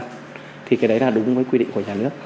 thì cái đấy là đúng với quy định của nhà nước